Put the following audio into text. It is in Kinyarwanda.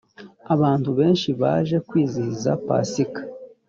abantu benshi baje kwizihiza pasika.